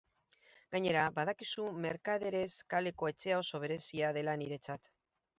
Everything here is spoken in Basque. Gainera, badakizu Mercaderes kaleko etxea oso berezia dela niretzat.